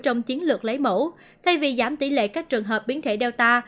trong chiến lược lấy mẫu thay vì giảm tỷ lệ các trường hợp biến thể data